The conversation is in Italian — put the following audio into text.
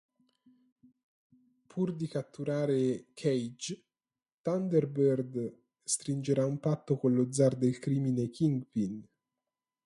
Pur di catturare Cage, Thunderbird stringerà un patto con lo zar del crimine Kingpin.